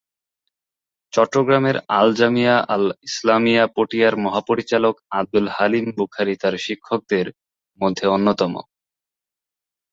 চট্টগ্রামের আল জামিয়া আল ইসলামিয়া পটিয়ার মহাপরিচালক আব্দুল হালিম বুখারী তার শিক্ষকদের মধ্যে অন্যতম।